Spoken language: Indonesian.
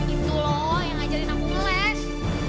gitu loh yang ngajarin aku ngeles